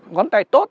ngón tay tốt